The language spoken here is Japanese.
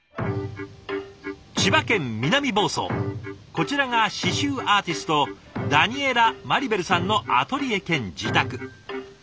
こちらが刺繍アーティストダニエラ・マリベルさんのアトリエ兼自宅。